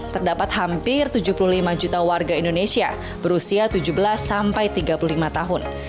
terdapat hampir tujuh puluh lima juta warga indonesia berusia tujuh belas sampai tiga puluh lima tahun